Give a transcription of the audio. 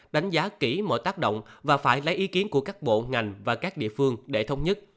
đánh giá kỹ mọi tác động và phải lấy ý kiến của các bộ ngành và các địa phương để thống nhất